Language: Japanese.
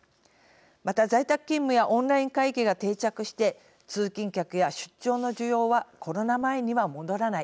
また在宅勤務やオンライン会議が定着して通勤客や出張の需要はコロナ前には戻らない。